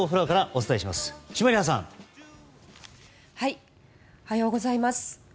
おはようございます。